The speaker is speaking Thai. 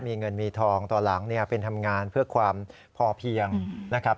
มีเงินมีทองตอนหลังเนี่ยเป็นทำงานเพื่อความพอเพียงนะครับ